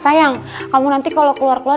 sayang kamu nanti kalau keluar keluar